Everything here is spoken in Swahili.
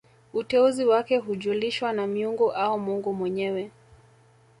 Uteuzi wake hujulishwa na miungu au mungu mwenyewe